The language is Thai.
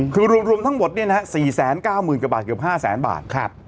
คือรวมทั้งหมดเนี่ยนะฮะ๔๙๐๐๐๐กว่าบาทเกือบ๕๐๐๐๐๐บาทครับ